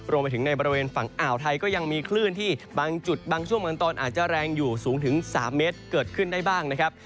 รวมไปถึงในบริเวณฝั่งอ่าวไทยก็ยังมีคลื่นที่บางจุดบางช่วงบางตอนอาจจะแรงอยู่สูงถึง๓เมตรเกิดขึ้นได้บ้างนะครับ